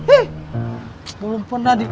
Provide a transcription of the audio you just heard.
eh belum pernah di